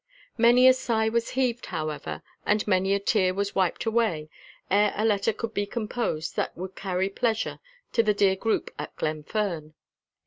Many a sigh was heaved, however, and many a tear was wiped away ere a letter could be composed that would carry pleasure to the dear group at Glenfern.